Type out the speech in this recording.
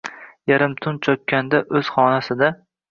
Yarim tun cho’kkanda, o’z xonasida